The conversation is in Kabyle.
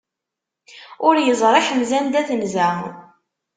Ur iẓri ḥemza anda tenza.